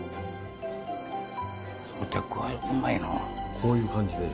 こういう感じでいい？